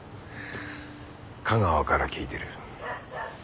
架川から聞いてる。